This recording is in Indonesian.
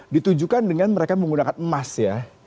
ditujukan dengan mereka menggunakan emas ya